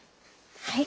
はい。